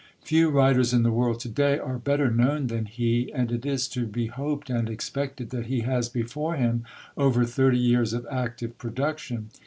Few writers in the world to day are better known than he; and it is to be hoped and expected that he has before him over thirty years of active production.